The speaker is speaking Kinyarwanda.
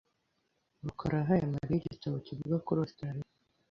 rukara yahaye Mariya igitabo kivuga kuri Ositaraliya .